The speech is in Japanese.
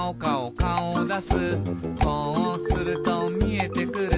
「こうするとみえてくる」